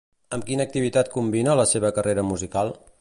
Amb quina activitat combina la seva carrera musical?